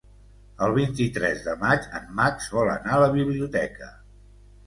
El vint-i-tres de maig en Max vol anar a la biblioteca.